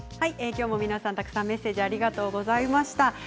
きょうもたくさんのメッセージありがとうございました。